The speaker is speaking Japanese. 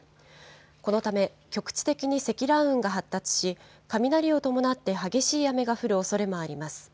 このため、局地的に積乱雲が発達し、雷を伴って激しい雨が降るおそれもあります。